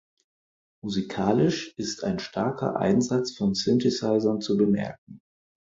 Musikalisch ist ein starker Einsatz von Synthesizern zu bemerken.